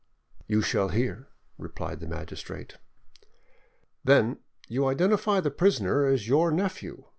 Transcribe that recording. "You shall hear," replied the magistrate. "Then you identify the prisoner as your nephew?